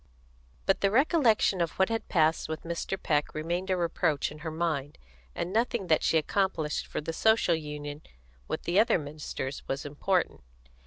But the recollection of what had passed with Mr. Peck remained a reproach in her mind, and nothing that she accomplished for the Social Union with the other ministers was important.